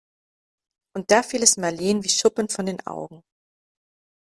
Und da fiel es Marleen wie Schuppen von den Augen.